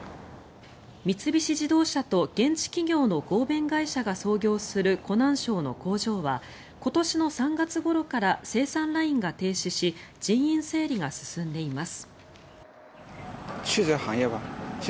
三菱自動車と現地企業の合弁会社が操業する湖南省の工場は今年の３月ごろから生産ラインが停止し人員整理が進んでいます。